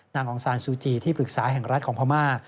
องซานซูจีที่ปรึกษาแห่งรัฐของพม่า